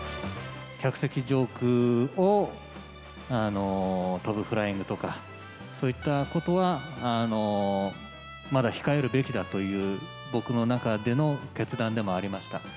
客席上空を飛ぶフライングとか、そういったことはまだ控えるべきだという僕の中での決断でもありました。